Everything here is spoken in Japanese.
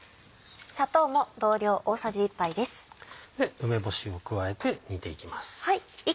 梅干しを加えて煮ていきます。